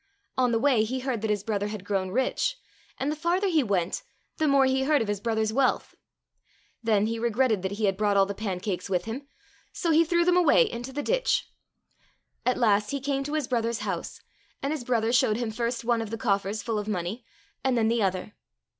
On the way he heard that his brother had grown rich, and the farther he went the more he heard of his brother's wealth. Then he regretted that he had brought all the pancakes with him, so he threw them away into the ditch. At last he came to his brother's house, and his brother showed him first one of the coffers full of money and then the other.